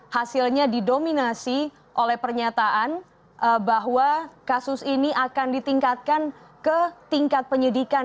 hasilnya didominasi oleh pernyataan bahwa kasus ini akan ditingkatkan ke tingkat penyidikan